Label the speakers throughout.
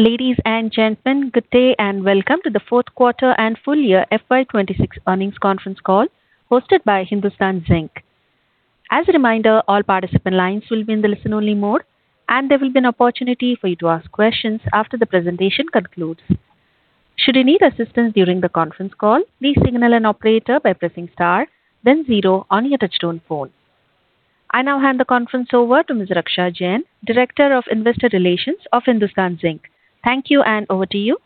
Speaker 1: Ladies and gentlemen, good day and welcome to the fourth quarter and full-year FY 2026 earnings conference call hosted by Hindustan Zinc. As a reminder, all participant lines will be in the listen-only mode, and there will be an opportunity for you to ask questions after the presentation concludes. Should you need assistance during the conference call, please signal an operator by pressing star, then zero on your touch-tone phone. I now hand the conference over to Ms. Raksha Jain, Director of Investor Relations of Hindustan Zinc. Thank you, and over to you.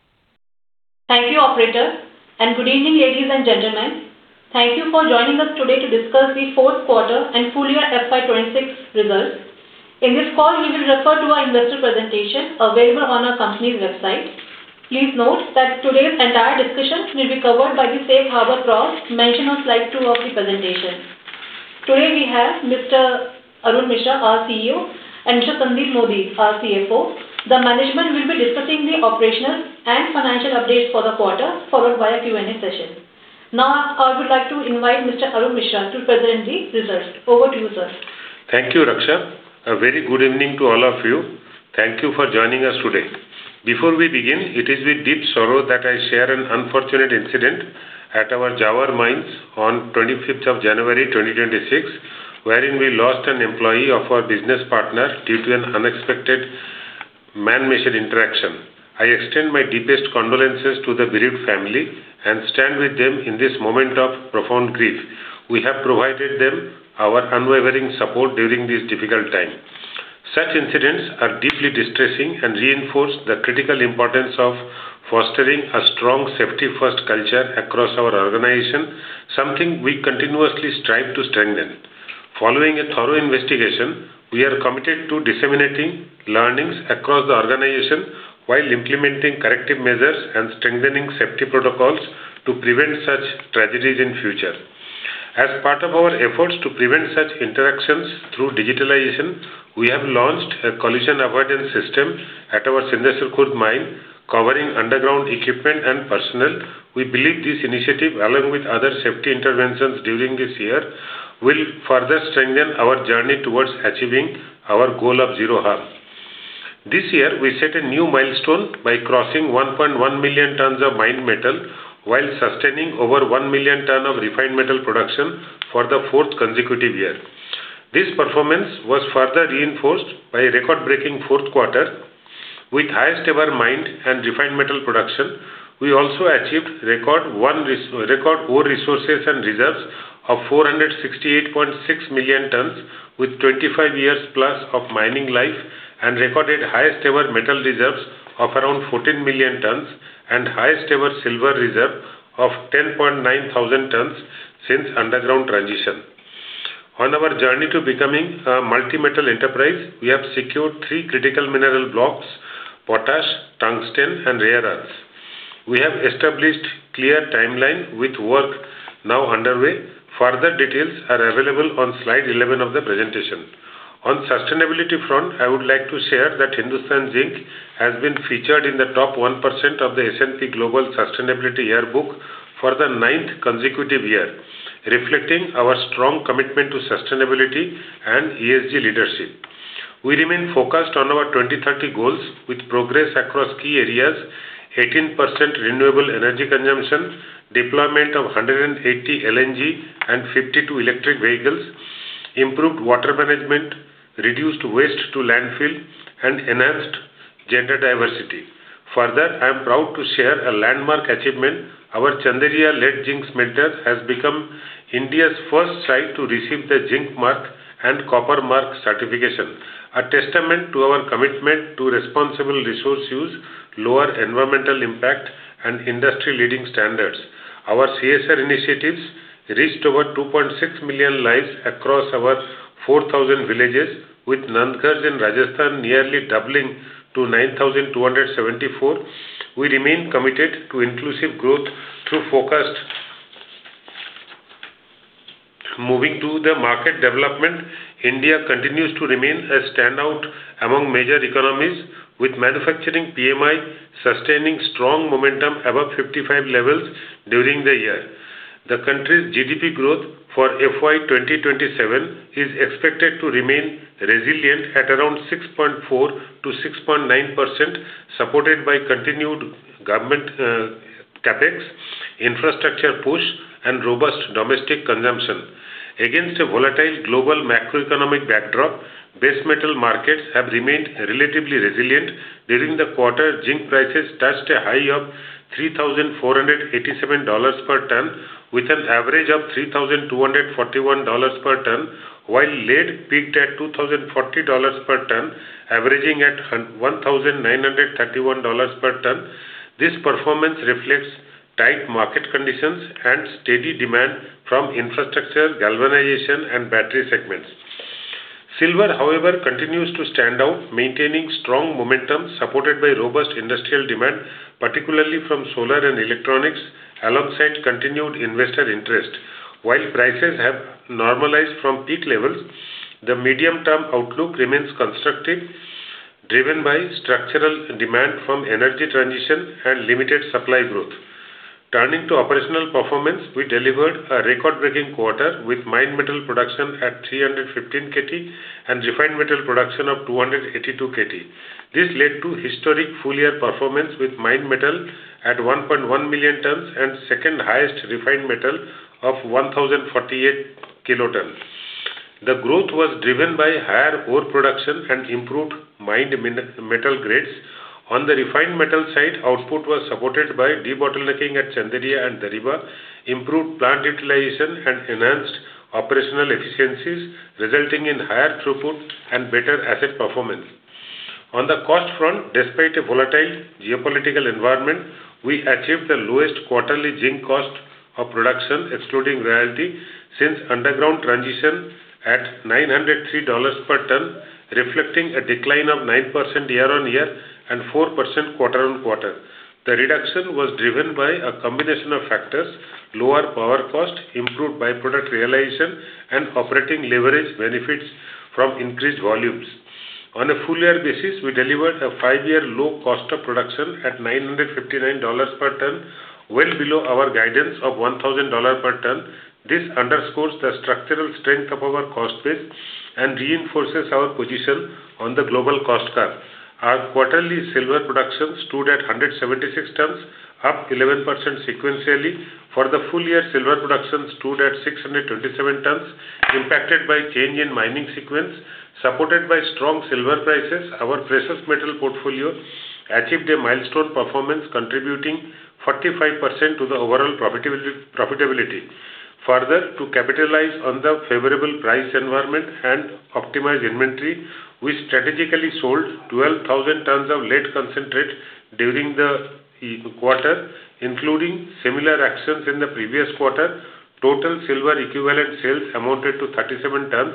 Speaker 2: Thank you, operator, and good evening, ladies and gentlemen. Thank you for joining us today to discuss the fourth quarter and full-year FY 2026 results. In this call, we will refer to our investor presentation available on our company's website. Please note that today's entire discussion will be covered by the safe harbor clause mentioned on Slide two of the presentation. Today, we have Mr. Arun Misra, our CEO, and Mr. Sandeep Modi, our CFO. The management will be discussing the operational and financial updates for the quarter, followed by a Q&A session. Now, I would like to invite Mr. Arun Misra to present the results. Over to you, sir.
Speaker 3: Thank you, Raksha. A very good evening to all of you. Thank you for joining us today. Before we begin, it is with deep sorrow that I share an unfortunate incident at our Zawar mines on 25th of January 2026, wherein we lost an employee of our business partner due to an unexpected man-machine interaction. I extend my deepest condolences to the bereaved family and stand with them in this moment of profound grief. We have provided them our unwavering support during this difficult time. Such incidents are deeply distressing and reinforce the critical importance of fostering a strong safety-first culture across our organization, something we continuously strive to strengthen. Following a thorough investigation, we are committed to disseminating learnings across the organization while implementing corrective measures and strengthening safety protocols to prevent such tragedies in future. As part of our efforts to prevent such interactions through digitalization, we have launched a collision avoidance system at our Sindesar Khurd mine, covering underground equipment and personnel. We believe this initiative, along with other safety interventions during this year, will further strengthen our journey towards achieving our goal of zero harm. This year, we set a new milestone by crossing 1.1 million tons of mined metal while sustaining over 1 million tons of refined metal production for the fourth consecutive year. This performance was further reinforced by a record-breaking fourth quarter with highest ever mined and refined metal production. We also achieved record ore resources and reserves of 468.6 million tons with 25 years+ of mining life and recorded highest ever metal reserves of around 14 million tons and highest ever silver reserve of 10.9 thousand tons since underground transition. On our journey to becoming a multi-metal enterprise, we have secured three critical mineral blocks, potash, tungsten, and rare earths. We have established clear timeline with work now underway. Further details are available Slide 11 of the presentation. On sustainability front, I would like to share that Hindustan Zinc has been featured in the top 1% of the S&P Global Sustainability Yearbook for the ninth consecutive year, reflecting our strong commitment to sustainability and ESG leadership. We remain focused on our 2030 goals with progress across key areas, 18% renewable energy consumption, deployment of 180 LNG and 52 electric vehicles, improved water management, reduced waste to landfill, and enhanced gender diversity. Further, I am proud to share a landmark achievement. Our Chanderiya lead zinc smelter has become India's first site to receive the Zinc Mark and Copper Mark certification, a testament to our commitment to responsible resource use, lower environmental impact, and industry-leading standards. Our CSR initiatives reached over 2.6 million lives across our 4,000 villages, with Nand Ghar in Rajasthan nearly doubling to 9,274. We remain committed to inclusive growth through focused. Moving to the market development. India continues to remain a standout among major economies, with manufacturing PMI sustaining strong momentum above 55 levels during the year. The country's GDP growth for FY 2027 is expected to remain resilient at around 6.4%-6.9%, supported by continued government, CAPEX, infrastructure push, and robust domestic consumption. Against a volatile global macroeconomic backdrop, base metal markets have remained relatively resilient. During the quarter, zinc prices touched a high of $3,487 per ton, with an average of $3,241 per ton, while lead peaked at $2,040 per ton, averaging at $1,931 per ton. This performance reflects tight market conditions and steady demand from infrastructure, galvanization, and battery segments. Silver, however, continues to stand out, maintaining strong momentum supported by robust industrial demand, particularly from solar and electronics, alongside continued investor interest. While prices have normalized from peak levels, the medium-term outlook remains constructive, driven by structural demand from energy transition and limited supply growth. Turning to operational performance, we delivered a record-breaking quarter with mined metal production at 315 KT and refined metal production of 282 KT. This led to historic full-year performance with mined metal at 1.1 million tons and second highest refined metal of 1,048 kilotons. The growth was driven by higher ore production and improved mined metal grades. On the refined metal side, output was supported by debottlenecking at Chanderia and Dariba, improved plant utilization, and enhanced operational efficiencies, resulting in higher throughput and better asset performance. On the cost front, despite a volatile geopolitical environment, we achieved the lowest quarterly zinc cost of production, excluding royalty, since underground transition at $903 per ton, reflecting a decline of 9% year-on-year and 4% quarter-on-quarter. The reduction was driven by a combination of factors, lower power cost, improved by-product realization, and operating leverage benefits from increased volumes. On a full-year basis, we delivered a five-year low cost of production at $959 per ton, well below our guidance of $1,000 per ton. This underscores the structural strength of our cost base and reinforces our position on the global cost curve. Our quarterly silver production stood at 176 tons, up 11% sequentially. For the full-year, silver production stood at 627 tons, impacted by change in mining sequence. Supported by strong silver prices, our precious metal portfolio achieved a milestone performance, contributing 45% to the overall profitability. Further, to capitalize on the favorable price environment and optimize inventory, we strategically sold 12,000 tons of lead concentrate during the quarter, including similar actions in the previous quarter. Total silver equivalent sales amounted to 37 tons,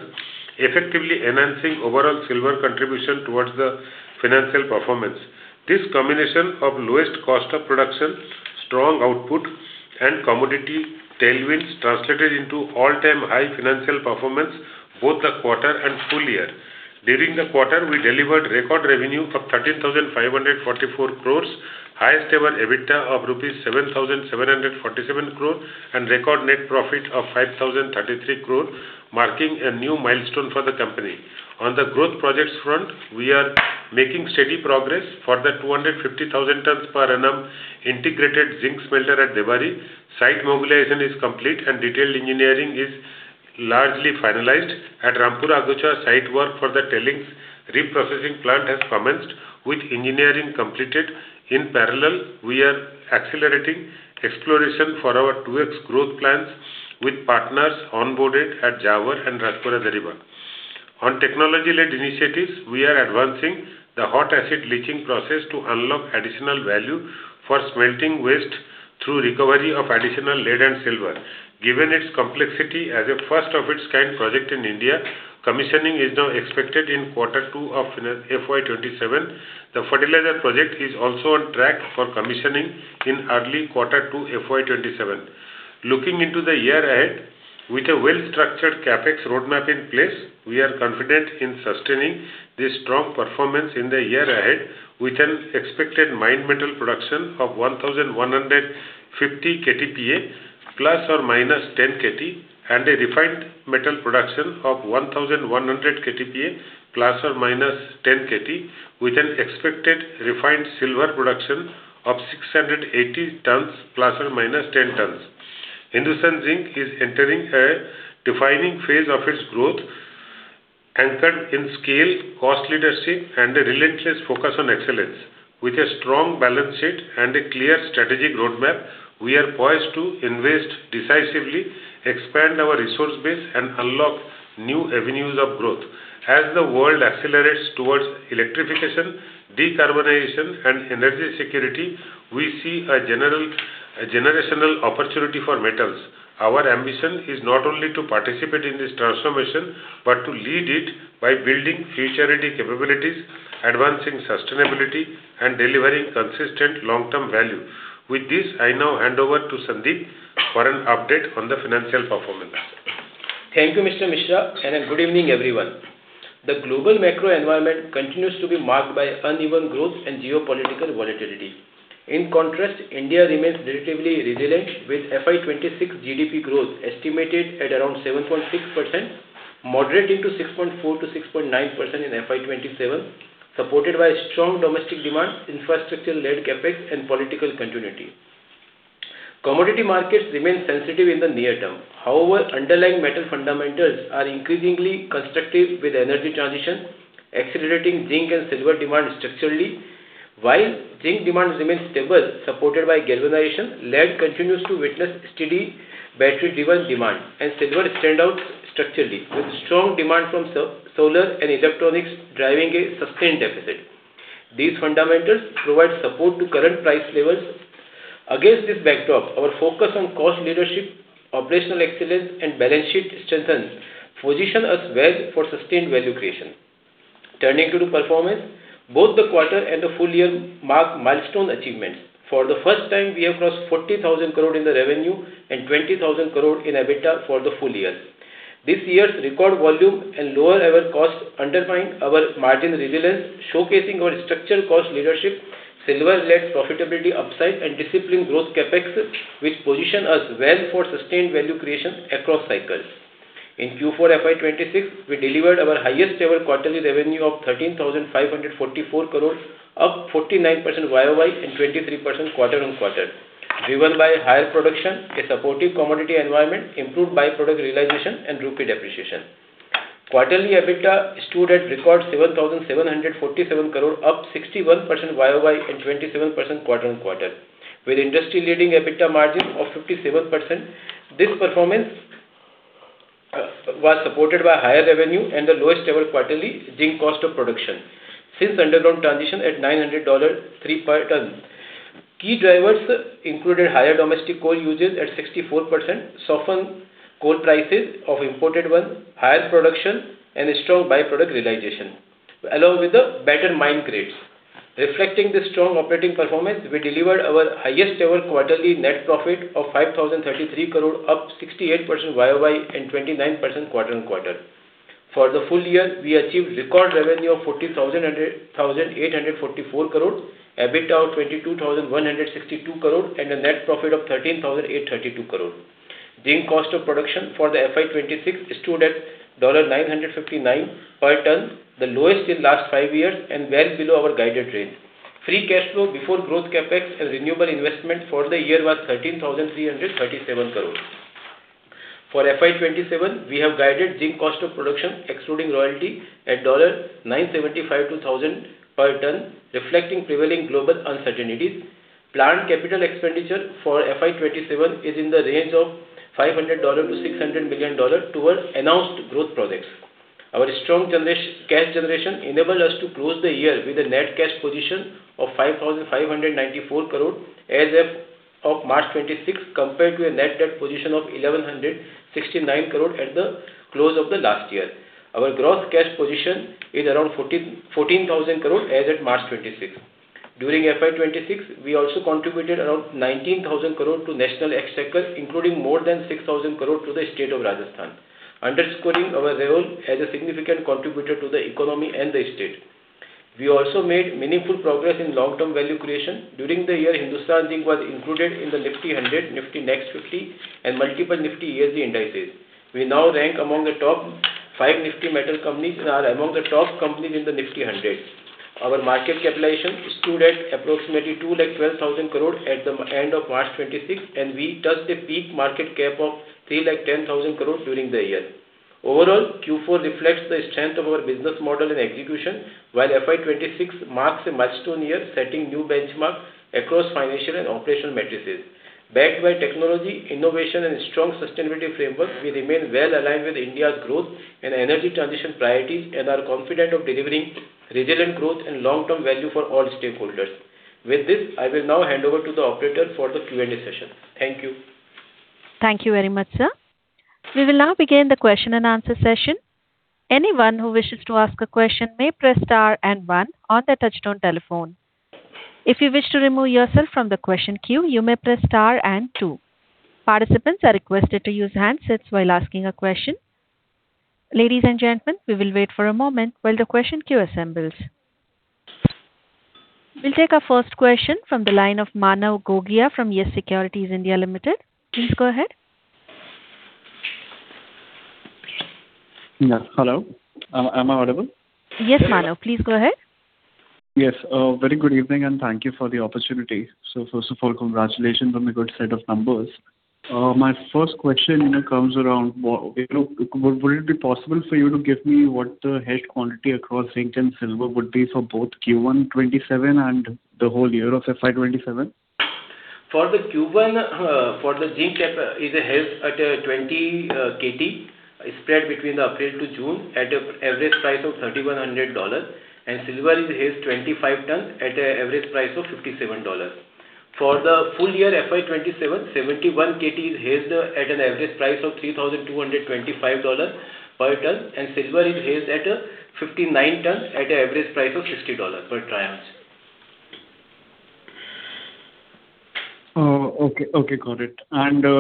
Speaker 3: effectively enhancing overall silver contribution towards the financial performance. This combination of lowest cost of production, strong output, and commodity tailwinds translated into all-time high financial performance, both the quarter and full-year. During the quarter, we delivered record revenue of 13,544 crores, highest ever EBITDA of INR 7,747 crore, and record net profit of 5,033 crore, marking a new milestone for the company. On the growth projects front, we are making steady progress for the 250,000 tons per annum integrated zinc smelter at Debari. Site mobilization is complete and detailed engineering is largely finalized. At Rampura Agucha, site work for the tailings reprocessing plant has commenced with engineering completed. In parallel, we are accelerating exploration for our 2X growth plans with partners onboarded at Jawhar and Rajpura-Dariba. On technology-led initiatives, we are advancing the Hot Acid Leaching process to unlock additional value for smelting waste through recovery of additional lead and silver. Given its complexity as a first of its kind project in India, commissioning is now expected in quarter two of FY 2027. The fertilizer project is also on track for commissioning in early quarter two FY 2027. Looking into the year ahead, with a well-structured CapEx roadmap in place, we are confident in sustaining this strong performance in the year ahead, with an expected mined metal production of 1,150 KTPA ±10 KT, and a refined metal production of 1,100 KTPA ±10 KT, with an expected refined silver production of 680 tons ±10 tons. Hindustan Zinc is entering a defining phase of its growth, anchored in scale, cost leadership, and a relentless focus on excellence. With a strong balance sheet and a clear strategic roadmap, we are poised to invest decisively, expand our resource base, and unlock new avenues of growth. As the world accelerates towards electrification, decarbonization, and energy security, we see a generational opportunity for metals. Our ambition is not only to participate in this transformation, but to lead it by building future-ready capabilities, advancing sustainability, and delivering consistent long-term value. With this, I now hand over to Sandeep for an update on the financial performance.
Speaker 4: Thank you, Mr. Misra, and a good evening, everyone. The global macro environment continues to be marked by uneven growth and geopolitical volatility. In contrast, India remains relatively resilient with FY 2026 GDP growth estimated at around 7.6%, moderating to 6.4%-6.9% in FY 2027, supported by strong domestic demand, infrastructure-led CapEx, and political continuity. Commodity markets remain sensitive in the near term. However, underlying metal fundamentals are increasingly constructive with energy transition, accelerating zinc and silver demand structurally. While zinc demand remains stable, supported by galvanization, lead continues to witness steady battery-driven demand, and silver stands out structurally with strong demand from solar and electronics driving a sustained deficit. These fundamentals provide support to current price levels. Against this backdrop, our focus on cost leadership, operational excellence, and balance sheet strength position us well for sustained value creation. Turning to the performance, both the quarter and the full-year marked milestone achievements. For the first time, we have crossed 40,000 crore in the revenue and 20,000 crore in EBITDA for the full-year. This year's record volume and lower-ever costs underscore our margin resilience, showcasing our structural cost leadership, silver-led profitability upside, and disciplined growth CapEx, which position us well for sustained value creation across cycles. In Q4 FY 2026, we delivered our highest-ever quarterly revenue of 13,544 crores, up 49% YOY and 23% quarter-on-quarter, driven by higher production, a supportive commodity environment, improved by-product realization, and rupee depreciation. Quarterly EBITDA stood at record 7,747 crore, up 61% YOY and 27% quarter-on-quarter, with industry-leading EBITDA margins of 57%. This performance was supported by higher revenue and the lowest-ever quarterly zinc cost of production since underground transition at $900 per ton. Key drivers included higher domestic coal usage at 64%, softened coal prices of imported one, higher production, and strong by-product realization, along with the better mine grades. Reflecting the strong operating performance, we delivered our highest-ever quarterly net profit of 5,033 crore, up 68% YOY and 29% quarter-on-quarter. For the full-year, we achieved record revenue of 40,844 crore, EBITDA of 22,162 crore, and a net profit of 13,832 crore. Zinc cost of production for FY 2026 stood at $959 per ton, the lowest in the last five years and well below our guided range. Free cash flow before growth CapEx and renewable investment for the year was 13,337 crores. For FY 2027, we have guided zinc cost of production excluding royalty at $975-$1,000 per ton, reflecting prevailing global uncertainties. Planned capital expenditure for FY 2027 is in the range of $500 million-$600 million towards announced growth projects. Our strong cash generation enabled us to close the year with a net cash position of 5,594 crore as of March 26th, compared to a net debt position of 1,169 crore at the close of the last year. Our gross cash position is around 14,000 crore as of March 26th. During FY 2026, we also contributed around 19,000 crore to national exchequer, including more than 6,000 crore to the state of Rajasthan, underscoring our role as a significant contributor to the economy and the state. We also made meaningful progress in long-term value creation. During the year, Hindustan Zinc was included in the Nifty 100, Nifty Next 50, and multiple Nifty ESG indices. We now rank among the top five Nifty Metal companies and are among the top companies in the Nifty 100. Our market capitalization stood at approximately 212,000 crore at the end of March 2026, and we touched a peak market cap of 310,000 crore during the year. Overall, Q4 reflects the strength of our business model and execution, while FY 2026 marks a milestone year, setting new benchmarks across financial and operational matrices. Backed by technology, innovation, and a strong sustainability framework, we remain well-aligned with India's growth and energy transition priorities and are confident of delivering resilient growth and long-term value for all stakeholders. With this, I will now hand over to the operator for the Q&A session. Thank you.
Speaker 1: Thank you very much, sir. We will now begin the question and answer session. Anyone who wishes to ask a question may press star and one on their touch-tone telephone. If you wish to remove yourself from the question queue, you may press star and two. Participants are requested to use handsets while asking a question. Ladies and gentlemen, we will wait for a moment while the question queue assembles. We'll take our first question from the line of Manav Gogia from YES SECURITIES (India) Limited. Please go ahead.
Speaker 5: Hello, am I audible?
Speaker 1: Yes, Manav, please go ahead.
Speaker 5: Yes. A very good evening, and thank you for the opportunity. First of all, congratulations on the good set of numbers. My first question comes around, would it be possible for you to give me what the hedge quantity across zinc and silver would be for both Q1 2027 and the whole year of FY 2027?
Speaker 4: For the Q1, for the zinc, is a hedge at 20 KT spread between April to June at an average price of $3,100. Silver is hedged 25 tons at an average price of $57. For the full-year FY 2027, 71 KT is hedged at an average price of $3,225 per ton, and silver is hedged at 59 tons at an average price of $60 per ounce.
Speaker 5: Okay, got it.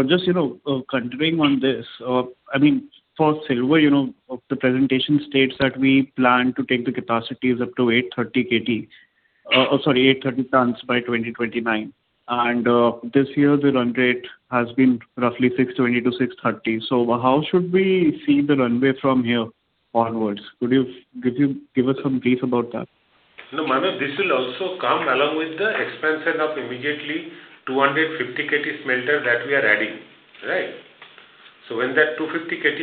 Speaker 5: Just continuing on this, for silver, the presentation states that we plan to take the capacities up to 830 KT. Oh, sorry, 830 tons by 2029. This year the run rate has been roughly 620-630. How should we see the runway from here onwards? Could you give us some brief about that?
Speaker 4: No, Manav, this will also come along with the expansion of immediately 250 KT smelter that we are adding. When that 250 KT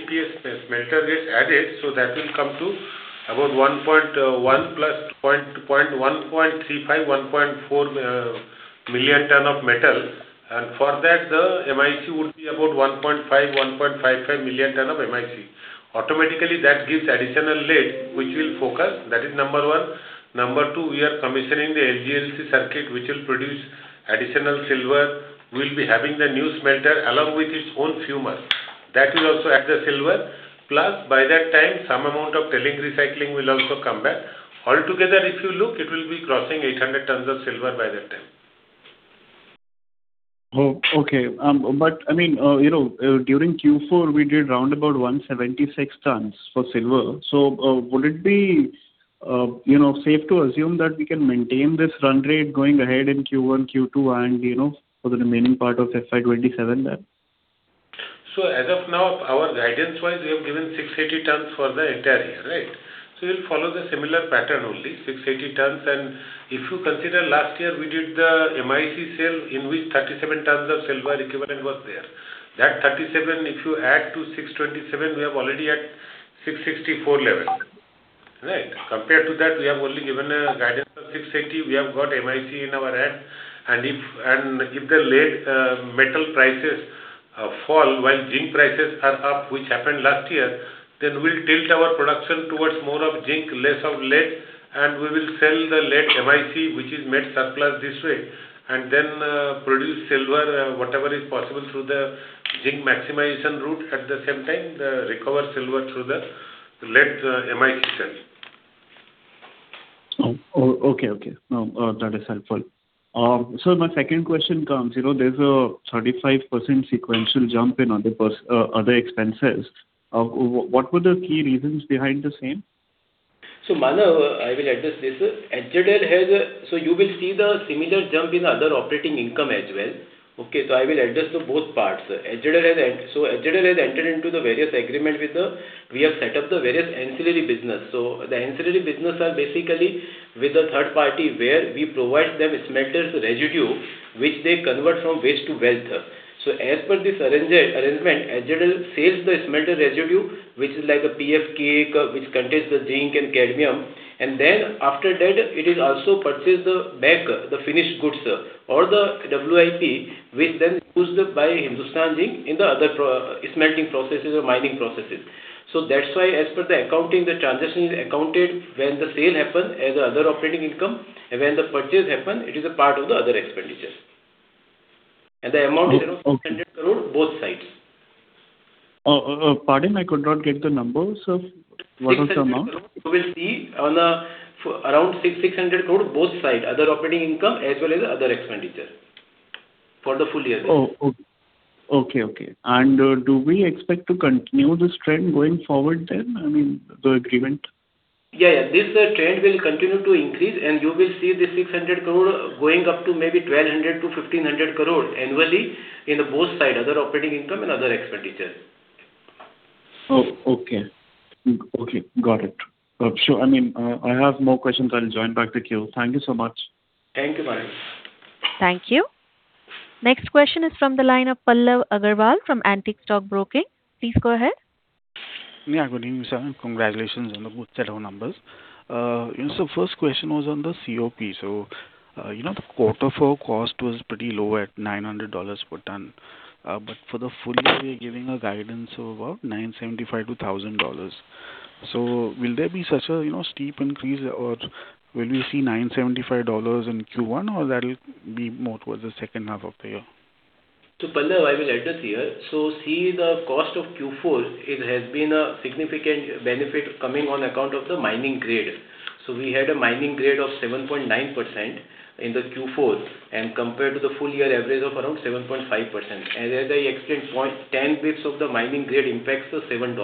Speaker 4: smelter gets added, that will come to about 1.1135+, 1.4 million ton of metal. For that, the MIC would be about 1.5 million-1.55 million ton of MIC. Automatically, that gives additional lead which we'll focus. That is number one. Number two, we are commissioning the LGLC circuit, which will produce additional silver. We'll be having the new smelter along with its own fume dust. That will also add the silver, plus by that time, some amount of tailings recycling will also come back. Altogether, if you look, it will be crossing 800 tons of silver by that time.
Speaker 5: Oh, okay. During Q4 we did around about 176 tons for silver. Would it be safe to assume that we can maintain this run rate going ahead in Q1, Q2, and for the remaining part of FY 2027 then?
Speaker 4: As of now, our guidance-wise, we have given 680 tons for the entire year, right? We'll follow the similar pattern only, 680 tons. If you consider last year, we did the MIC sale in which 37 tons of silver equivalent was there. That 37, if you add to 627, we are already at 664 level. Compared to that, we have only given a guidance of 680. We have got MIC in our hand. If the lead metal prices fall while zinc prices are up, which happened last year, then we'll tilt our production towards more of zinc, less of lead, and we will sell the lead MIC which is made surplus this way and then produce silver, whatever is possible through the zinc maximization route. At the same time, recover silver through the lead MIC sales.
Speaker 5: Okay. Now, that is helpful. Sir, my second question comes. There's a 35% sequential jump in other expenses. What were the key reasons behind the same?
Speaker 4: Manav, I will address this. You will see the similar jump in other operating income as well. Okay. I will address both parts. HZL has entered into the various agreement. We have set up the various ancillary business. The ancillary business are basically with a third party where we provide them smelter residue, which they convert from waste to wealth. As per this arrangement, HZL sells the smelter residue, which is like a PF cake, which contains the zinc and cadmium. And then after that it is also purchased back, the finished goods or the WIP, which then used by Hindustan Zinc in the other smelting processes or mining processes. That's why as per the accounting, the transaction is accounted when the sale happen as other operating income and when the purchase happen, it is a part of the other expenditure. The amount is 600 crore, both sides.
Speaker 5: Pardon? I could not get the numbers. What was the amount?
Speaker 4: You will see around 600 crore both sides, other operating income as well as other expenditure for the full-year.
Speaker 5: Okay. Do we expect to continue this trend going forward then? I mean, the agreement.
Speaker 4: Yeah. This trend will continue to increase, and you will see the 600 crore going up to maybe 1,200 crore-1,500 crore annually in the both side, other operating income and other expenditure.
Speaker 5: Okay. Got it. Sure. I have more questions. I'll join back the queue. Thank you so much.
Speaker 4: Thank you, Manav.
Speaker 1: Thank you. Next question is from the line of Pallav Agarwal from Antique Stock Broking. Please go ahead.
Speaker 6: Yeah. Good evening, sir, and congratulations on the good set of numbers. Sir, first question was on the COP. The quarter four cost was pretty low at $900 per ton. For the full-year, we are giving a guidance of what, $975-$1,000. Will there be such a steep increase or will we see $975 in Q1 or that'll be more towards the second half of the year?
Speaker 4: Pallav, I will address here. See the cost of Q4. It has been a significant benefit coming on account of the mining grade. We had a mining grade of 7.9% in the Q4 and compared to the full-year average of around 7.5%. As I explained, 10 basis points of the mining grade impacts the $7.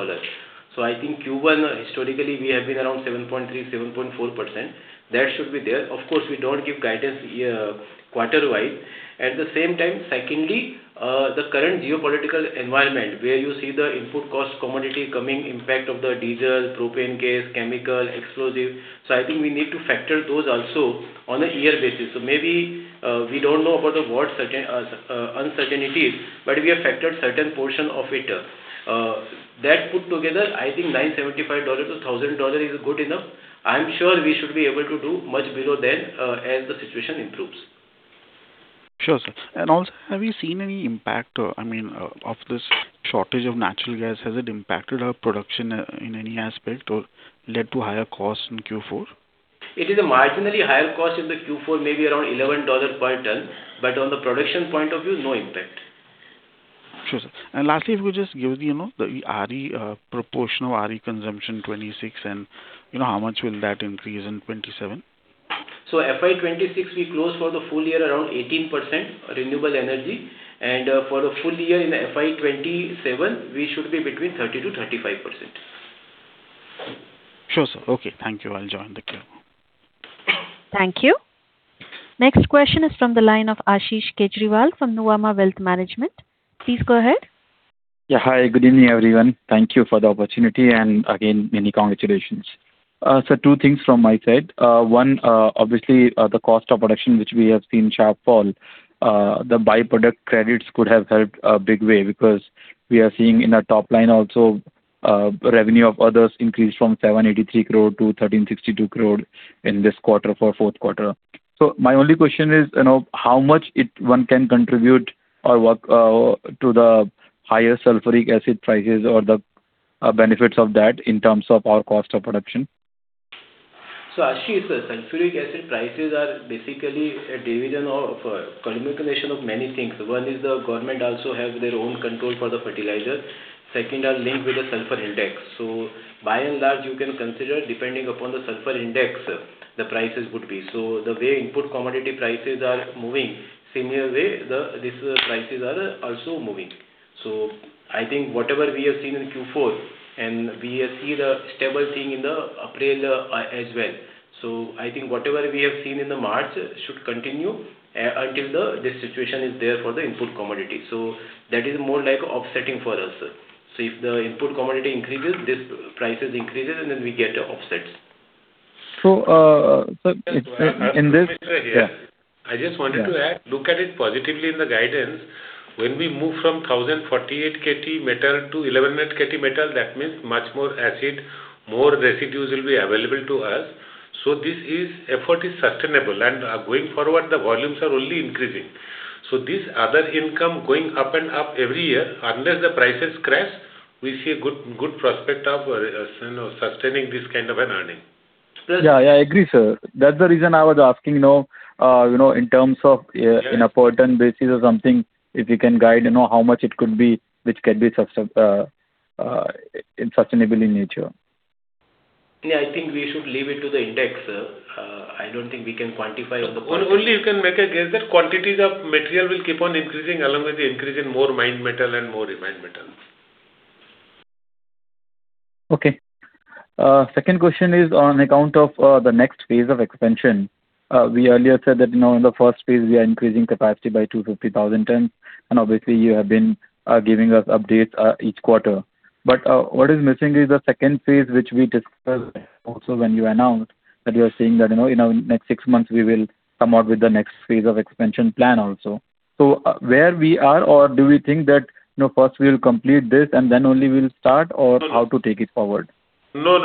Speaker 4: I think Q1 historically we have been around 7.3%, 7.4%. That should be there. Of course, we don't give guidance quarter-wise. At the same time, secondly, the current geopolitical environment where you see the input cost commodity coming impact of the diesel, propane gas, chemical, explosive. I think we need to factor those also on a year basis. Maybe, we don't know about the war uncertainties, but we have factored certain portion of it. That put together, I think $975-$1,000 is good enough. I'm sure we should be able to do much below that, as the situation improves.
Speaker 6: Sure, sir. Have you seen any impact of this shortage of natural gas? Has it impacted our production in any aspect or led to higher costs in Q4?
Speaker 4: It is a marginally higher cost in the Q4, maybe around $11 per ton, but on the production point of view, no impact.
Speaker 6: Sure, sir. Lastly, if you could just give the proportional RE consumption 26 and how much will that increase in 27?
Speaker 4: FY 2026, we close for the full-year around 18% renewable energy. For the full-year in FY 2027, we should be between 30%-35%.
Speaker 6: Sure, sir. Okay, thank you. I'll join the queue.
Speaker 1: Thank you. Next question is from the line of Ashish Kejriwal from Nuvama Wealth Management. Please go ahead.
Speaker 7: Yeah. Hi, good evening, everyone. Thank you for the opportunity and again, many congratulations. Sir, two things from my side. One, obviously, the cost of production, which we have seen sharp fall. The by-product credits could have helped a big way because we are seeing in our top line also, revenue of others increased from 783 crore-1,362 crore in this quarter for fourth quarter. My only question is, how much one can contribute to the higher sulfuric acid prices or the benefits of that in terms of our cost of production?
Speaker 4: Ashish, sulfuric acid prices are basically a division of culmination of many things. One is the government also have their own control for the fertilizer. Second are linked with the sulfur index. By and large, you can consider depending upon the sulfur index, the prices would be. The way input commodity prices are moving, similar way, these prices are also moving. I think whatever we have seen in Q4, and we see the stable thing in April as well. I think whatever we have seen in March should continue until this situation is there for the input commodity. That is more like offsetting for us. If the input commodity increases, this prices increases, and then we get offsets.
Speaker 7: Sir, in this.
Speaker 3: I just wanted to add, look at it positively in the guidance. When we move from 1,048 KT metal-1,100 KT metal, that means much more acid, more residues will be available to us. This effort is sustainable and going forward, the volumes are only increasing. This other income going up and up every year, unless the prices crash, we see a good prospect of sustaining this kind of an earning.
Speaker 7: Yeah, I agree, sir. That's the reason I was asking in terms of a per ton basis or something, if you can guide how much it could be, which can be sustainable in nature.
Speaker 4: Yeah, I think we should leave it to the index, sir. I don't think we can quantify on the
Speaker 3: Only you can make a guess that quantities of material will keep on increasing along with the increase in more mined metal and more refined metal.
Speaker 7: Okay. Second question is on account of the next phase of expansion. We earlier said that in the first phase we are increasing capacity by 250,000 tons, and obviously you have been giving us updates each quarter. What is missing is the second phase, which we discussed also when you announced that you are saying that in the next six months we will come out with the next phase of expansion plan also. Where we are or do we think that first we'll complete this and then only we'll start or how to take it forward?
Speaker 3: No,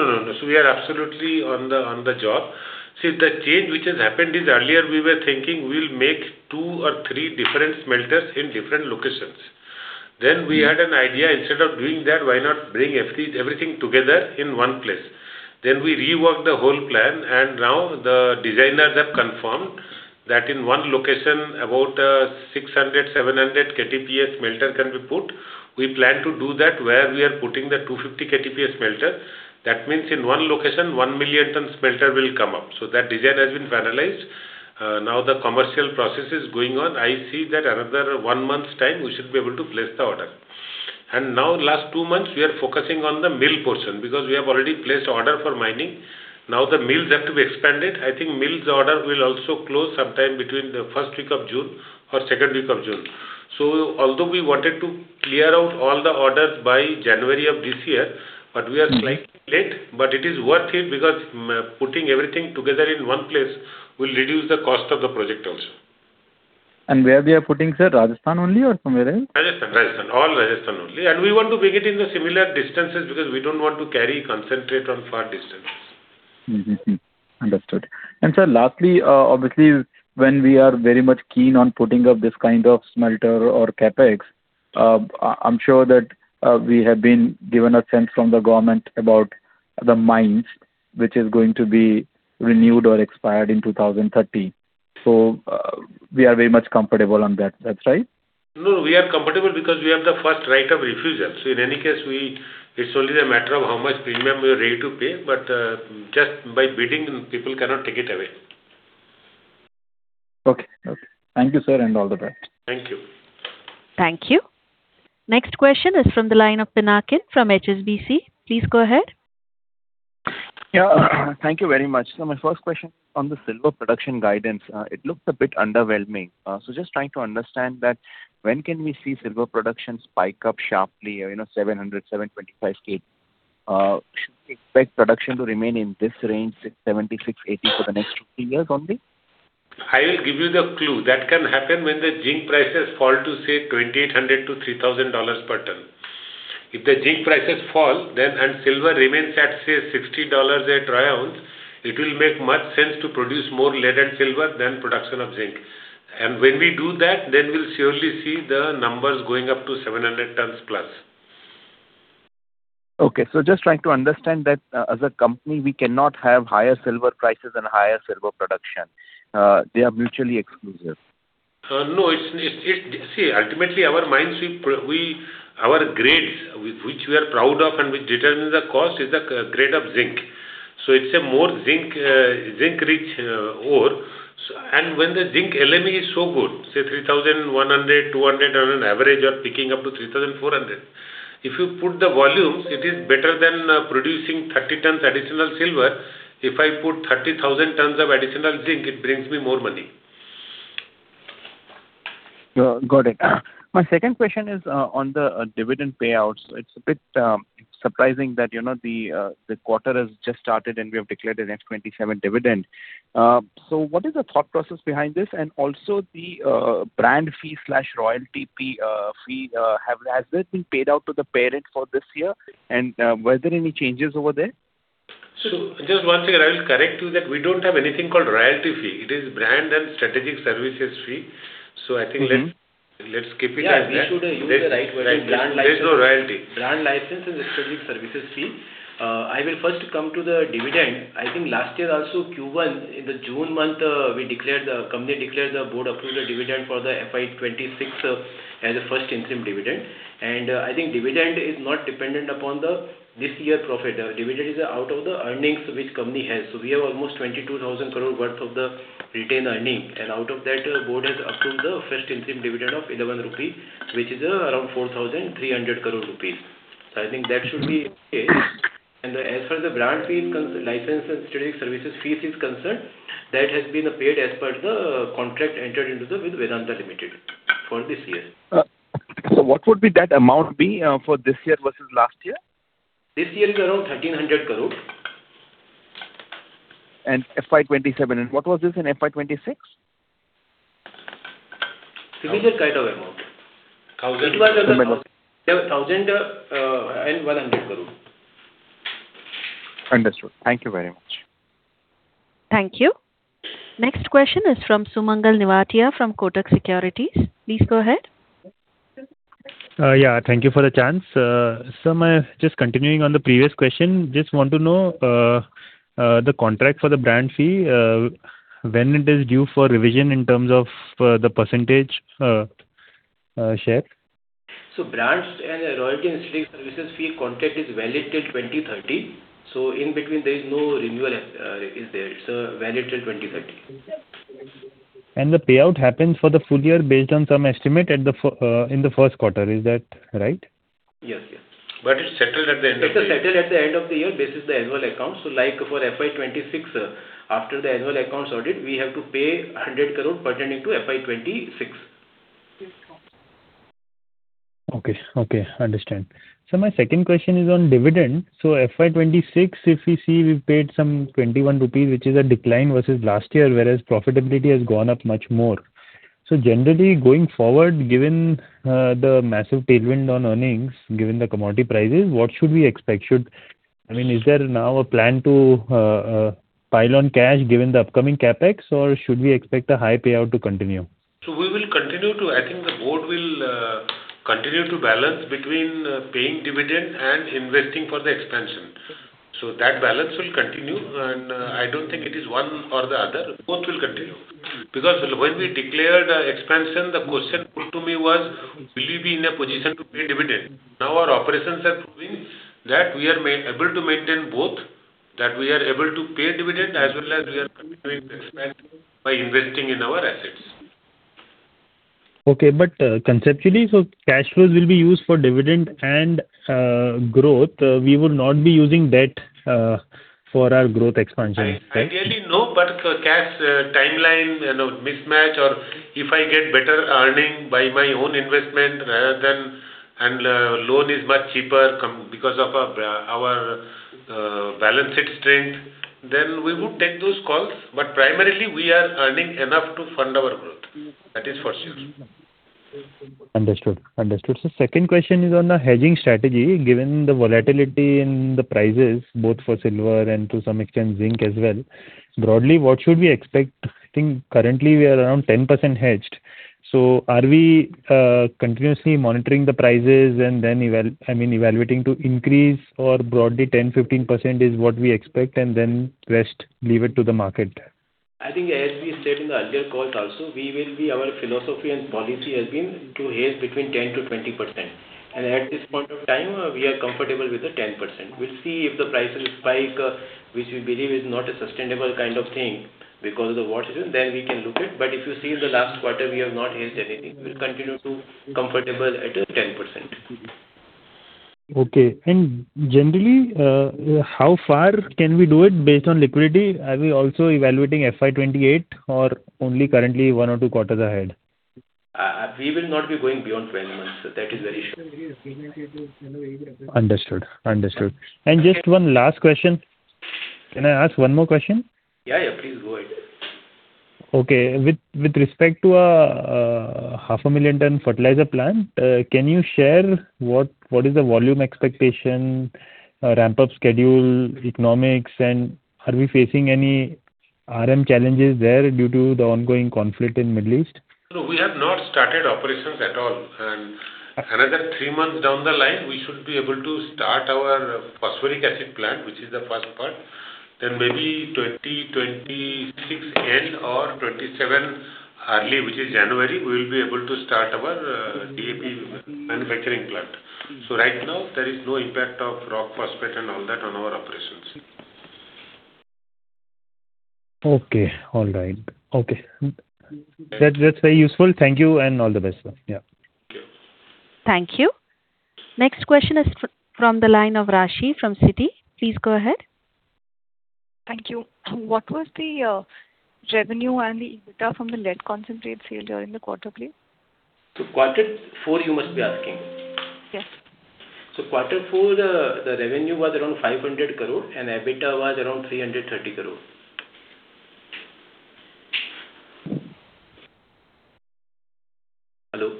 Speaker 3: we are absolutely on the job. See, the change which has happened is earlier we were thinking we'll make two or three different smelters in different locations. We had an idea, instead of doing that, why not bring everything together in one place? We reworked the whole plan, and now the designers have confirmed that in one location, about 600 KTPA smelter-700 KTPA smelter can be put. We plan to do that where we are putting the 250 KTPA smelter. That means in one location, 1-million-ton smelter will come up. That design has been finalized. Now the commercial process is going on. I see that another one month's time, we should be able to place the order. Now in the last two months, we are focusing on the mill portion because we have already placed order for mining. Now the mills have to be expanded. I think mills order will also close sometime between the first week of June or second week of June. Although we wanted to clear out all the orders by January of this year, but we are slightly late, but it is worth it because putting everything together in one place will reduce the cost of the project also.
Speaker 7: Where we are putting, sir, Rajasthan only or somewhere else?
Speaker 3: Rajasthan. All Rajasthan only. We want to bring it in the similar distances because we don't want to carry concentrate on far distances.
Speaker 7: Mm-hmm. Understood. Sir, lastly, obviously when we are very much keen on putting up this kind of smelter or CapEx, I'm sure that we have been given a sense from the government about the mines which is going to be renewed or expired in 2030. We are very much comfortable on that's right?
Speaker 3: No, we are comfortable because we have the first right of refusal. In any case, it's only the matter of how much premium we are ready to pay, but just by bidding, people cannot take it away.
Speaker 7: Okay. Thank you, sir, and all the best.
Speaker 3: Thank you.
Speaker 1: Thank you. Next question is from the line of Pinakin from HSBC. Please go ahead.
Speaker 8: Yeah. Thank you very much. My first question on the silver production guidance. It looked a bit underwhelming. Just trying to understand that when can we see silver production spike up sharply, 700K-725K? Should we expect production to remain in this range, 60, 76, 80 for the next few years only?
Speaker 3: I will give you the clue. That can happen when the zinc prices fall to, say, $2,800-$3,000 per ton. If the zinc prices fall, and silver remains at, say, $60 a troy ounce, it will make more sense to produce more lead and silver than production of zinc. When we do that, then we'll surely see the numbers going up to 700 tons+.
Speaker 8: Okay. Just trying to understand that as a company, we cannot have higher silver prices and higher silver production. They are mutually exclusive.
Speaker 3: No. See, ultimately our mines, our grades, which we are proud of and which determines the cost, is the grade of zinc. It's a more zinc-rich ore. When the zinc LME is so good, say 3,100, 3,200 on an average or picking up to 3,400. If you put the volumes, it is better than producing 30 tons additional silver. If I put 30,000 tons of additional zinc, it brings me more money.
Speaker 8: Got it. My second question is on the dividend payouts. It's a bit surprising that the quarter has just started, and we have declared the next ₹27 dividend. What is the thought process behind this and also the brand fee/royalty fee, has this been paid out to the parent for this year? Were there any changes over there?
Speaker 3: Just one second, I will correct you that we don't have anything called royalty fee. It is brand and strategic services fee. I think let's keep it at that.
Speaker 4: Yeah, we should use the right wording.
Speaker 3: There's no royalty.
Speaker 4: Brand license and strategic services fee. I will first come to the dividend. I think last year also Q1, in the June month, the company declared the board approved the dividend for FY 2026 as a first interim dividend. I think dividend is not dependent upon this year profit. Dividend is out of the earnings which company has. We have almost 22,000 crore worth of the retained earning, and out of that, board has approved the first interim dividend of ₹ 11, which is around ₹ 4,300. I think that should be okay. As for the brand license and strategic services fees is concerned, that has been paid as per the contract entered into with Vedanta Limited for this year.
Speaker 8: What would that amount be for this year versus last year?
Speaker 4: This year is around 1,300 crore.
Speaker 8: FY 2027. What was this in FY 2026?
Speaker 4: Similar kind of amount. INR 1,100 crore.
Speaker 8: Understood. Thank you very much.
Speaker 1: Thank you. Next question is from Sumangal Nevatia from Kotak Securities. Please go ahead.
Speaker 9: Yeah. Thank you for the chance. Sir, just continuing on the previous question, just want to know the contract for the brand fee, when it is due for revision in terms of the percentage share?
Speaker 4: Brand and royalty and technical services fee contract is valid till 2030. In between there is no renewal is there. It's valid till 2030.
Speaker 9: The payout happens for the full-year based on some estimate in the first quarter. Is that right?
Speaker 4: Yes.
Speaker 3: It's settled at the end of the year.
Speaker 4: It's settled at the end of the year basis the annual accounts. Like for FY 2026, after the annual accounts audit, we have to pay 100 crore pertaining to FY 2026.
Speaker 9: Okay. Understood. Sir, my second question is on dividend. FY 2026, if we see, we've paid some 21 rupees, which is a decline versus last year, whereas profitability has gone up much more. Generally, going forward, given the massive tailwind on earnings, given the commodity prices, what should we expect? Is there now a plan to pile on cash given the upcoming CapEx? Or should we expect a high payout to continue?
Speaker 3: We will continue to, I think the board will continue to balance between paying dividend and investing for the expansion. That balance will continue, and I don't think it is one or the other. Both will continue. Because when we declared expansion, the question put to me was, will you be in a position to pay dividend? Now our operations are proving that we are able to maintain both, that we are able to pay dividend as well as we are continuing to expand by investing in our assets.
Speaker 9: Okay. Conceptually, cash flows will be used for dividend and growth. We would not be using debt for our growth expansion, right?
Speaker 3: Ideally no, but cash timeline mismatch or if I get better earning by my own investment rather than, and loan is much cheaper because of our balance sheet strength, then we would take those calls. Primarily, we are earning enough to fund our growth. That is for sure.
Speaker 9: Understood. Sir, second question is on the hedging strategy. Given the volatility in the prices, both for silver and to some extent zinc as well, broadly, what should we expect? I think currently we are around 10% hedged. Are we continuously monitoring the prices and then evaluating to increase or broadly 10%-15% is what we expect and then rest leave it to the market?
Speaker 4: I think as we said in the earlier call also, our philosophy and policy has been to hedge between 10%-20%, and at this point of time, we are comfortable with the 10%. We'll see if the prices spike, which we believe is not a sustainable kind of thing because of the water, then we can look at it. If you see the last quarter, we have not hedged anything. We'll continue to be comfortable at 10%.
Speaker 9: Okay. Generally, how far can we do it based on liquidity? Are we also evaluating FY 2028 or only currently one or two quarters ahead?
Speaker 4: We will not be going beyond 20 months. That is very sure.
Speaker 9: Understood. Just one last question. Can I ask one more question?
Speaker 4: Yeah, please go ahead.
Speaker 9: Okay. With respect to 500,000 ton fertilizer plant, can you share what is the volume expectation, ramp-up schedule, economics, and are we facing any RM challenges there due to the ongoing conflict in Middle East?
Speaker 3: No, we have not started operations at all. Another three months down the line, we should be able to start our phosphoric acid plant, which is the first part. Maybe 2026 end or 2027 early, which is January, we'll be able to start our DAP manufacturing plant. Right now there is no impact of rock phosphate and all that on our operations.
Speaker 9: Okay. All right. That's very useful. Thank you and all the best. Yeah.
Speaker 1: Thank you. Next question is from the line of Raashi from Citi. Please go ahead.
Speaker 10: Thank you. What was the revenue and the EBITDA from the lead concentrate sale during the quarter, please?
Speaker 4: Quarter four, you must be asking.
Speaker 10: Yes.
Speaker 4: Quarter four, the revenue was around 500 crore and EBITDA was around 330 crore. Hello?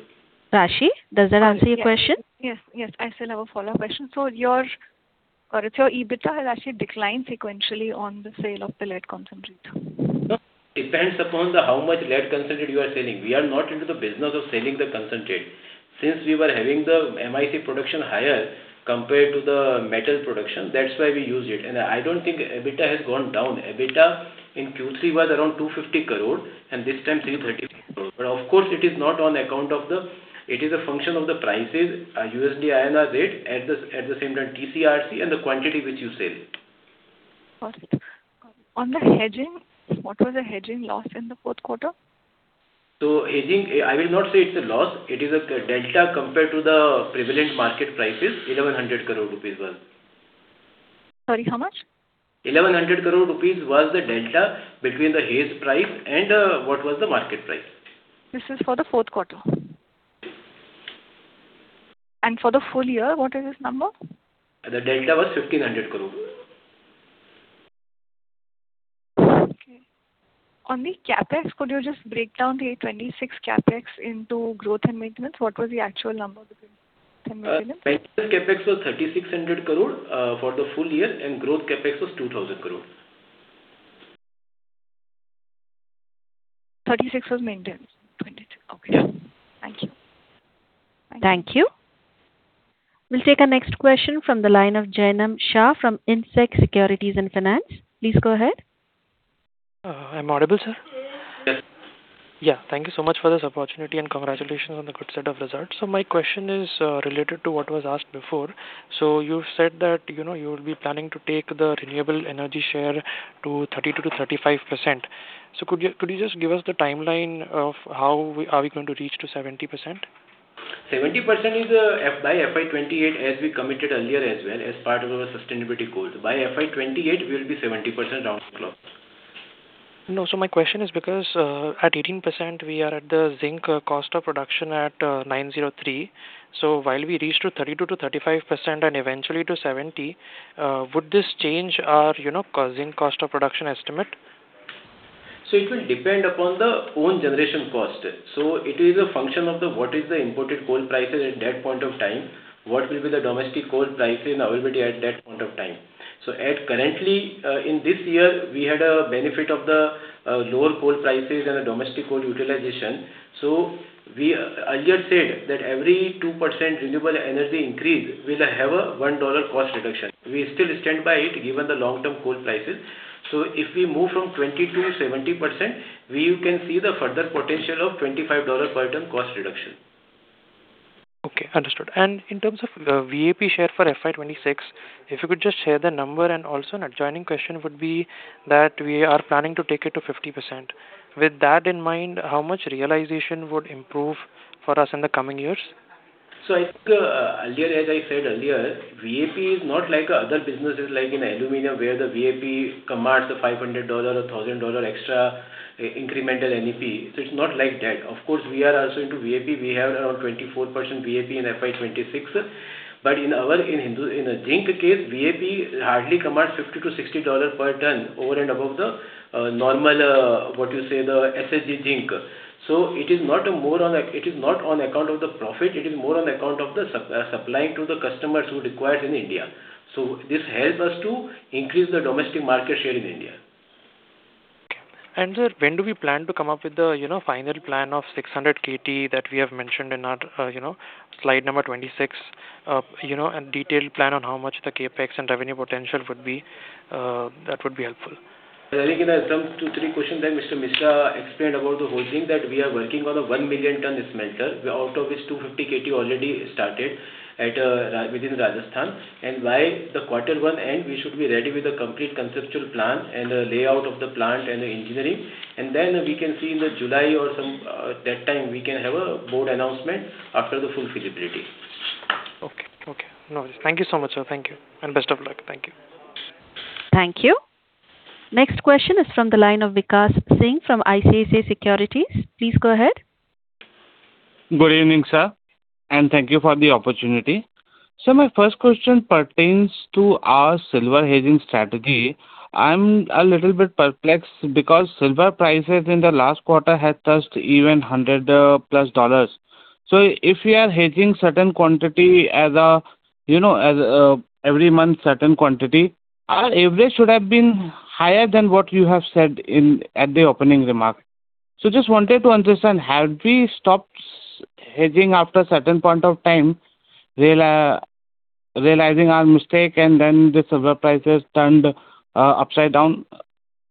Speaker 1: Raashi, does that answer your question?
Speaker 10: Yes. I still have a follow-up question. Your EBITDA has actually declined sequentially on the sale of the lead concentrate.
Speaker 4: No. Depends upon how much lead concentrate you are selling. We are not into the business of selling the concentrate. Since we were having the MIC production higher compared to the metal production, that's why we used it. I don't think EBITDA has gone down. EBITDA in Q3 was around 250 crore and this time 330 crore. Of course it is a function of the prices, USD/INR rate at the same time TCRC and the quantity which you sell.
Speaker 10: First, on the hedging, what was the hedging loss in the fourth quarter?
Speaker 4: Hedging, I will not say it's a loss. It is a delta compared to the prevalent market price, 1,100 crore rupees.
Speaker 10: Sorry, how much?
Speaker 4: 1,100 crore rupees was the delta between the hedge price and what was the market price.
Speaker 10: This is for the fourth quarter?
Speaker 4: Yes.
Speaker 10: For the full-year, what is this number?
Speaker 4: The delta was 1,500 crore.
Speaker 10: Okay. On the CapEx, could you just break down the FY 2026 CapEx into growth and maintenance? What was the actual number for maintenance?
Speaker 4: Maintenance CapEx was INR 3,600 crore for the full-year, and growth CapEx was INR 2,000 crore.
Speaker 10: 36 was maintenance. 26. Okay.
Speaker 4: Yeah.
Speaker 10: Thank you.
Speaker 1: Thank you. We'll take our next question from the line of Jainam Shah from IndSec Securities & Finance. Please go ahead.
Speaker 11: Am I audible, sir?
Speaker 4: Yes.
Speaker 11: Yeah. Thank you so much for this opportunity, and congratulations on the good set of results. My question is related to what was asked before. You said that you will be planning to take the renewable energy share to 32%-35%. Could you just give us the timeline of how are we going to reach to 70%?
Speaker 4: 70% is by FY 2028, as we committed earlier as well, as part of our sustainability goals. By FY 2028, we'll be 70% down the clock.
Speaker 11: No, my question is because at 18%, we are at the zinc cost of production at $903. While we reach to 32%-35% and eventually to 70%, would this change our zinc cost of production estimate?
Speaker 4: It will depend upon our own generation cost. It is a function of what is the imported coal prices at that point of time, what will be the domestic coal prices availability at that point of time. Currently, in this year, we had a benefit of the lower coal prices and a domestic coal utilization. We earlier said that every 2% renewable energy increase will have a $1 cost reduction. We still stand by it given the long-term coal prices. If we move from 20%-70%, we can see the further potential of $25 per ton cost reduction.
Speaker 11: Okay, understood. In terms of VAP share for FY 2026, if you could just share the number and also an adjoining question would be that we are planning to take it to 50%. With that in mind, how much realization would improve for us in the coming years?
Speaker 4: I think, earlier as I said earlier, VAP is not like other businesses like in aluminum where the VAP commands a $500 or $1,000 extra incremental NEP. It's not like that. Of course, we are also into VAP. We have around 24% VAP in FY 2026. In zinc case, VAP hardly commands $50-$60 per ton over and above the normal SHG zinc. It is not on account of the profit, it is more on account of the supplying to the customers who require it in India. This helps us to increase the domestic market share in India.
Speaker 11: Okay. Sir, when do we plan to come up with the final plan of 600 KT that we have mentioned in our Slide number 26, and detailed plan on how much the CapEx and revenue potential would be, that would be helpful?
Speaker 4: I think in the two, three questions that Mr. Misra explained about the whole thing that we are working on a 1 million ton smelter, out of which 250 KT already started within Rajasthan. By the quarter one end, we should be ready with a complete conceptual plan and a layout of the plant and the engineering. Then we can see in July or that time, we can have a board announcement after the full feasibility.
Speaker 11: Okay. No worries. Thank you so much, sir. Thank you. Best of luck. Thank you.
Speaker 1: Thank you. Next question is from the line of Vikas Singh from ICICI Securities. Please go ahead
Speaker 12: Good evening, sir, and thank you for the opportunity. My first question pertains to our silver hedging strategy. I'm a little bit perplexed because silver prices in the last quarter had touched even $100+. If we are hedging every month certain quantity, our average should have been higher than what you have said at the opening remarks. Just wanted to understand, have we stopped hedging after certain point of time, realizing our mistake, and then the silver prices turned upside down?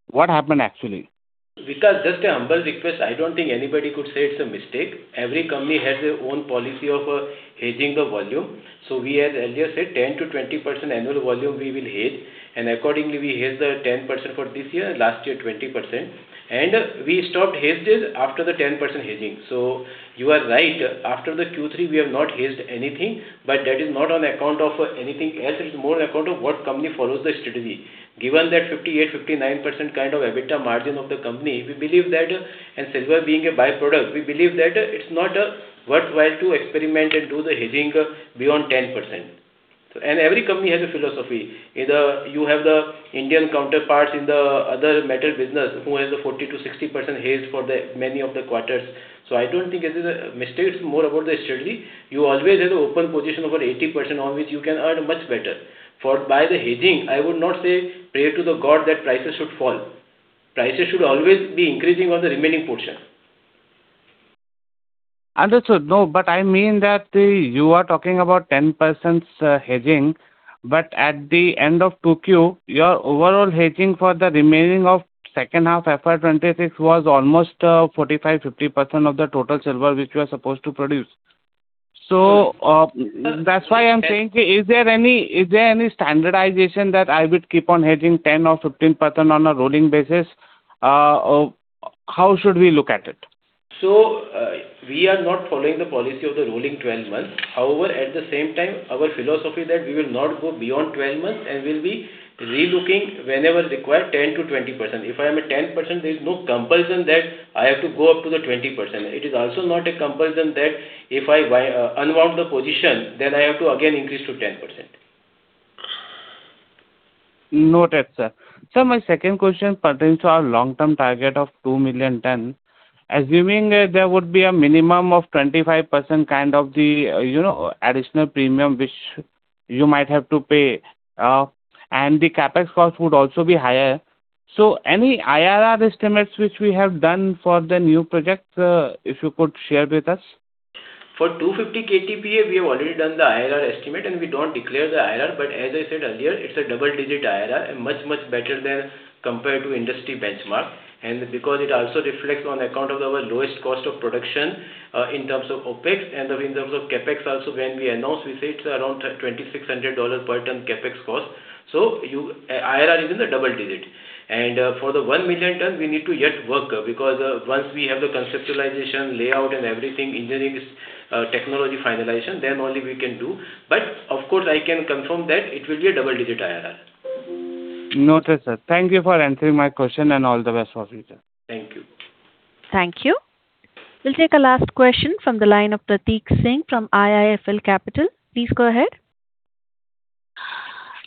Speaker 12: What happened actually?
Speaker 4: Vikas, just a humble request. I don't think anybody could say it's a mistake. Every company has its own policy of hedging the volume. As we earlier said, 10%-20% annual volume we will hedge, and accordingly, we hedged 10% for this year, last year 20%, and we stopped hedges after the 10% hedging. You are right, after the Q3, we have not hedged anything, but that is not on account of anything else. It's more on account of what the company follows as the strategy. Given that 58%, 59% kind of EBITDA margin of the company, and silver being a by-product, we believe that it's not worthwhile to experiment and do the hedging beyond 10%. Every company has a philosophy. Either you have the Indian counterparts in the other metal business who has a 40%-60% hedge for many of the quarters. I don't think it is a mistake, it's more about the strategy. You always have the open position of over 80% on which you can earn much better. For by the hedging, I would not pray to God that prices should fall. Prices should always be increasing on the remaining portion.
Speaker 12: Understood. No, but I mean that you are talking about 10% hedging, but at the end of 2Q, your overall hedging for the remaining of second half FY 2026 was almost 45%-50% of the total silver which you are supposed to produce. That's why I'm saying, is there any standardization that I would keep on hedging 10% or 15% on a rolling basis? How should we look at it?
Speaker 4: We are not following the policy of the rolling 12 months. However, at the same time, our philosophy that we will not go beyond 12 months, and we'll be relooking, whenever required, 10%-20%. If I am at 10%, there is no compulsion that I have to go up to the 20%. It is also not a compulsion that if I unwound the position, then I have to again increase to 10%.
Speaker 12: Noted, sir. Sir, my second question pertains to our long-term target of 2 million tons. Assuming there would be a minimum of 25% additional premium, which you might have to pay, and the CapEx cost would also be higher. Any IRR estimates which we have done for the new project, if you could share with us?
Speaker 4: For 250 KTPA, we have already done the IRR estimate, and we don't declare the IRR. As I said earlier, it's a double-digit IRR, and much, much better than compared to industry benchmark. Because it also reflects on account of our lowest cost of production in terms of OpEx and in terms of CapEx also, when we announce, we say it's around $2,600 per ton CapEx cost. IRR is in the double digit. For the 1 million ton, we need to yet work, because once we have the conceptualization, layout, and everything, engineering technology finalization, then only we can do. Of course, I can confirm that it will be a double-digit IRR.
Speaker 12: Noted, sir. Thank you for answering my question, and all the best for future.
Speaker 4: Thank you.
Speaker 1: Thank you. We'll take a last question from the line of Prateek Singh from IIFL Capital. Please go ahead.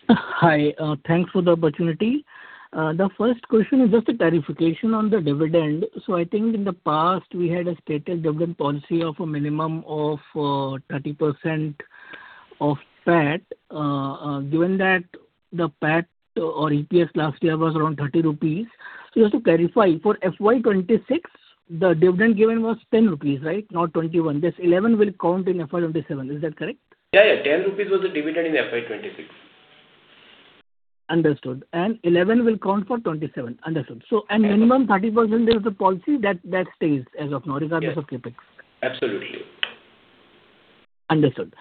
Speaker 13: Hi. Thanks for the opportunity. The first question is just a clarification on the dividend. I think in the past, we had a stated dividend policy of a minimum of 30% of PAT. Given that the PAT or EPS last year was around 30 rupees, just to clarify, for FY 2026, the dividend given was 10 rupees, right? Not 21. This 11 will count in FY 2027. Is that correct?
Speaker 4: Yeah. 10 rupees was the dividend in FY 2026.
Speaker 13: Understood. 11 will count for 2027. Understood. Minimum 30% is the policy, that stays as of now, regardless of CapEx.
Speaker 4: Absolutely.
Speaker 13: Understood.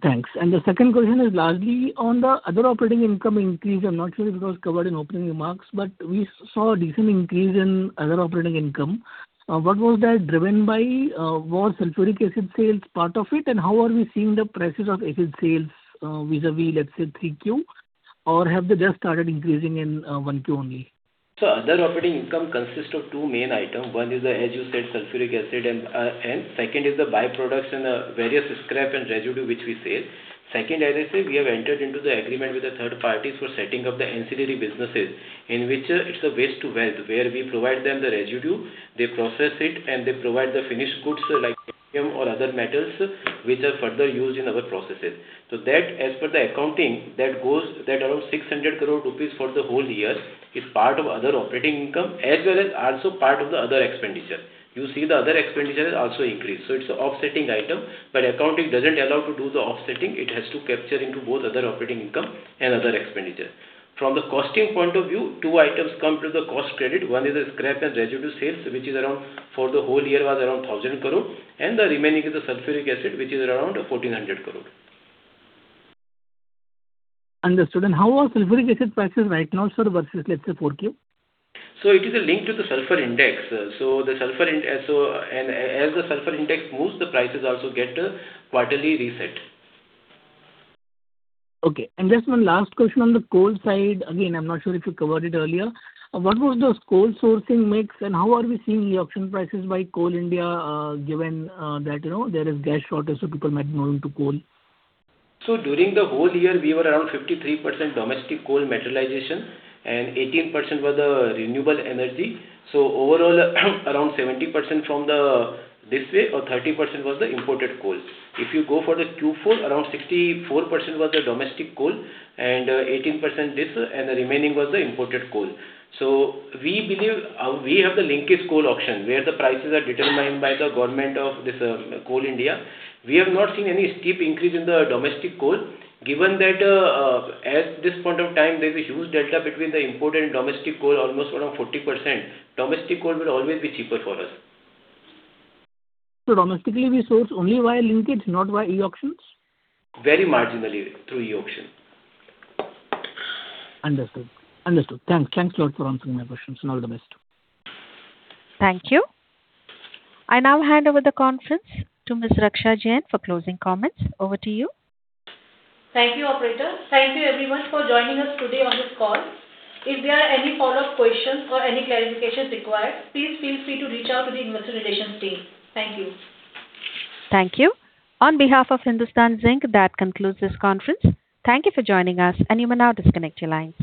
Speaker 13: Thanks. The second question is largely on the other operating income increase. I'm not sure if it was covered in opening remarks, but we saw a decent increase in other operating income. What was that driven by? Was sulfuric acid sales part of it, and how are we seeing the prices of acid sales vis-a-vis, let's say, 3Q? Or have they just started increasing in 1Q only?
Speaker 4: Other operating income consists of two main items. One is, as you said, sulfuric acid and N. Second is the byproducts and various scrap and residue which we sell. Second, as I said, we have entered into the agreement with the third parties for setting up the ancillary businesses, in which it's a waste to wealth, where we provide them the residue, they process it, and they provide the finished goods like cadmium or other metals, which are further used in our processes. That, as per the accounting, that around 600 crore rupees for the whole year is part of other operating income as well as also part of the other expenditure. You see the other expenditure has also increased, so it's an offsetting item. But accounting doesn't allow to do the offsetting. It has to capture into both other operating income and other expenditure. From the costing point of view, two items come to the cost credit. One is the scrap and residue sales, which is around, for the whole year, was around 1,000 crore, and the remaining is the sulfuric acid, which is around 1,400 crore.
Speaker 13: Understood. How are sulfuric acid prices right now, sir, versus, let's say, 4Q?
Speaker 4: It is linked to the sulfur index. As the sulfur index moves, the prices also get a quarterly reset.
Speaker 13: Okay. Just one last question on the coal side. Again, I'm not sure if you covered it earlier. What was the coal sourcing mix, and how are we seeing the auction prices by Coal India, given that there is gas shortage, so people might move to coal?
Speaker 4: During the whole year, we were around 53% domestic coal materialization and 18% was the renewable energy. Overall, around 70% from this way or 30% was the imported coal. If you go for the Q4, around 64% was the domestic coal and 18% this, and the remaining was the imported coal. We have the linkage coal auction, where the prices are determined by the government of this Coal India. We have not seen any steep increase in the domestic coal. Given that at this point of time, there's a huge delta between the imported and domestic coal, almost around 40%. Domestic coal will always be cheaper for us.
Speaker 13: Domestically, we source only via linkage, not via e-auctions?
Speaker 4: Very marginally through e-auction.
Speaker 13: Understood. Thanks a lot for answering my questions and all the best.
Speaker 1: Thank you. I now hand over the conference to Ms. Raksha Jain for closing comments. Over to you.
Speaker 2: Thank you, operator. Thank you everyone for joining us today on this call. If there are any follow-up questions or any clarifications required, please feel free to reach out to the investor relations team. Thank you.
Speaker 1: Thank you. On behalf of Hindustan Zinc, that concludes this conference. Thank you for joining us, and you may now disconnect your lines.